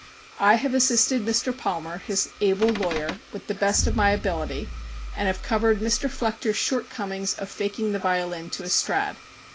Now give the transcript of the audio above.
I have assisted Mr. Palmer, his able lawyer, with the best of my ability, and have covered Mr. Flechter's shortcomings of faking the violin to a Strad.